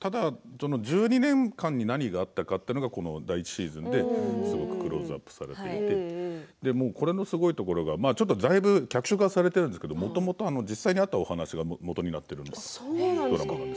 ただ１２年間に何があったのかというのが第１シーズンでクローズアップされていてこれのすごいところがだいぶ脚色されているんですけれどもともと実際にあったお話が基になっているんです。